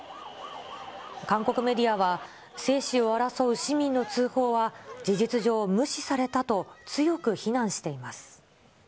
韓国メディアは、生死を争う市民の通報は事実上無視されたと、強く非難しています。